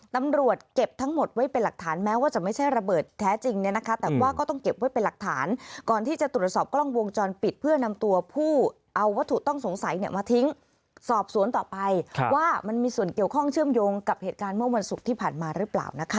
ตำรวจเก็บทั้งหมดไว้เป็นหลักฐานแม้ว่าจะไม่ใช่ระเบิดแท้จริงเนี่ยนะคะแต่ว่าก็ต้องเก็บไว้เป็นหลักฐานก่อนที่จะตรวจสอบกล้องวงจรปิดเพื่อนำตัวผู้เอาวัตถุต้องสงสัยเนี่ยมาทิ้งสอบสวนต่อไปว่ามันมีส่วนเกี่ยวข้องเชื่อมโยงกับเหตุการณ์เมื่อวันศุกร์ที่ผ่านมาหรือเปล่านะคะ